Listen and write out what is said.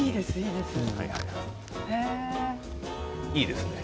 いいですね。